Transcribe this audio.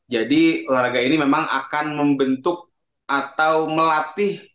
jadi olahraga ini memang akan membentuk atau melatih